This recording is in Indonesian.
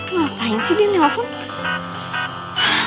ngapain sih dia nelfon